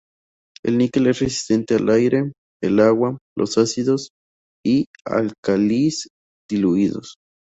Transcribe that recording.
El níquel es resistente al aire, el agua, los ácidos y álcalis diluidos.